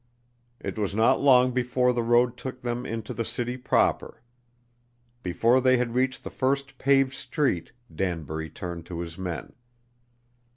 It was not long before the road took them into the city proper. Before they had reached the first paved street Danbury turned to his men.